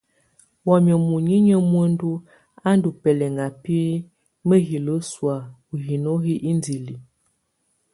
Wamɛ̀á muninƴǝ́ muǝndù á ndù bɛlɛŋà bɛ mǝhilǝ sɔ̀á ù hino hi indili.